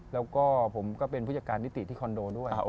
แล้วก็ผมก็เป็นผู้จัดการนิติที่คอนโดด้วย